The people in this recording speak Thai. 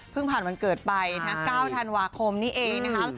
เพิ่งผ่านวันเกิดไป๙ธันวาคมนี้เอง